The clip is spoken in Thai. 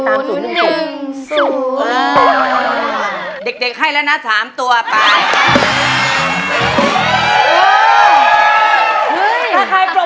ถ้าใครปรบมือขอให้ถูกโรตเตอรี่ค่ะ